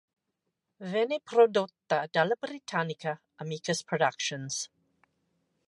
Venne prodotta dalla britannica Amicus Productions.